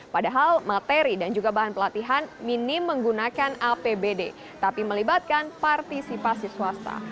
padahal materi dan juga bahan pelatihan minim menggunakan apbd tapi melibatkan partisipasi swasta